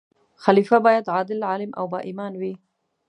خلیفه باید عادل، عالم او با ایمان وي.